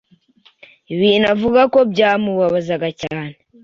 ibintu avuga ko byamubabazaga cyane